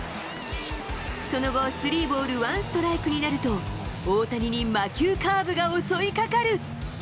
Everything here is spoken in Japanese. その後、３ボール１ストライクになると大谷に魔球カーブが襲い掛かる。